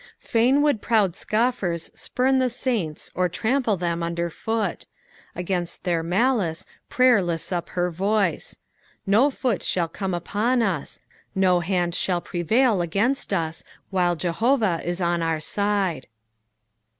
Fain would proud scoffers spurn the saints or trample them under foot : against their malice prayer lifts up her voice. No foot ahall come upon us, no hand shall prevail against us, while Jehovah is on our side.